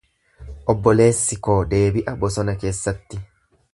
Obboleessi koo deebi'a bosona keessatti.